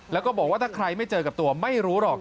แล้วก็บอกว่าถ้าใครไม่เจอกับตัวไม่รู้หรอก